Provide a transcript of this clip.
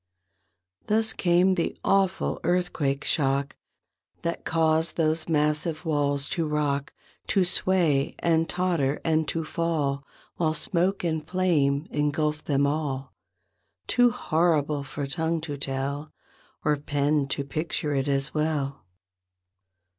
Thus came the awful earthquake shock That caused those massive walls to rock. To sway and totter and to fall. While smoke and flame engulfed them all. Too horrible for tongue to tell Or pen to picture it as well.